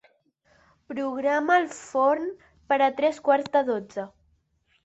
Programa el forn per a tres quarts de dotze.